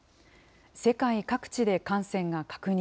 世界各地で感染が確認。